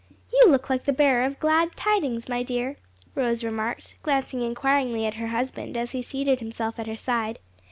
"You look like the bearer of glad tidings, my dear," Rose remarked, glancing inquiringly at her husband as he seated himself at her side.